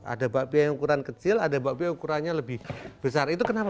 ada bapia yang ukuran kecil ada bapia yang ukurannya lebih besar itu kenapa bu